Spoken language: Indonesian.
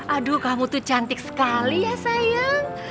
aduh kamu tuh cantik sekali ya sayang